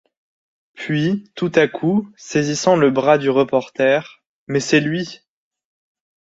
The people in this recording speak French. Puis, tout à coup, saisissant le bras du reporter: « Mais c’est lui!